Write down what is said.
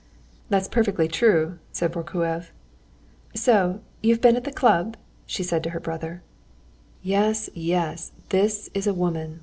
"That's perfectly true," said Vorknev. "So you've been at the club?" she said to her brother. "Yes, yes, this is a woman!"